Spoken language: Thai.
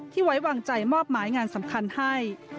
ไว้วางใจมอบหมายงานสำคัญให้